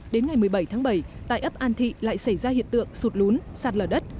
đến ngày một mươi bảy tháng bảy tại ấp an thị lại xảy ra hiện tượng sụt lún sạt lở đất